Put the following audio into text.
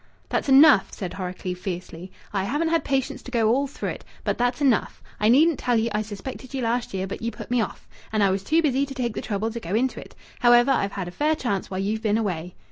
"That's enough!" said Horrocleave fiercely. "I haven't had patience to go all through it. But that's enough. I needn't tell ye I suspected ye last year, but ye put me off. And I was too busy to take the trouble to go into it. However, I've had a fair chance while you've been away."